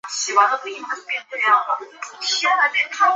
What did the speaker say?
山城遗址的历史年代为新石器时代。